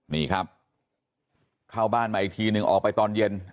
นี่ครับเข้าบ้านมาอีกทีนึงออกไปตอนเย็น